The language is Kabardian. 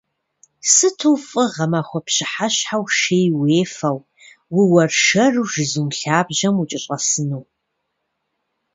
Сыту фӏы гъэмахуэ пщыхьэщхьэу шей уефэу, ууэршэру жызум лъабжьэм укӏэщӏэсыну.